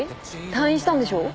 退院したんでしょ？